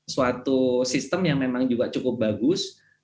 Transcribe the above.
suatu sistem yang memang juga cukup bagus